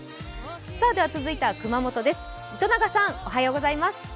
続いては熊本です。